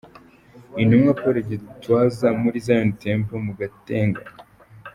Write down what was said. Intumwa Paul Gitwaza muri Zion Temple mu Gatenga.